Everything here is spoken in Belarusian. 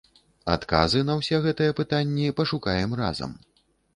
Адказы на ўсе гэтыя пытанні пашукаем разам.